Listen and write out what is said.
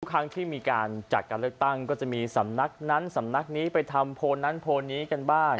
ครั้งที่มีการจัดการเลือกตั้งก็จะมีสำนักนั้นสำนักนี้ไปทำโพลนั้นโพลนี้กันบ้าง